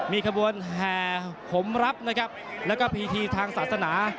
มีขบวนแห่ผมรับนะครับแล้วก็พิธีทางศาสนา